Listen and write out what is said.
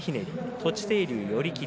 栃清龍は寄り切り。